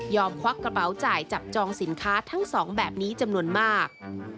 ควักกระเป๋าจ่ายจับจองสินค้าทั้งสองแบบนี้จำนวนมาก